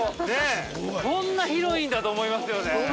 ◆こんな広いんだと思いますよね。